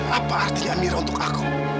apa artinya mirror untuk aku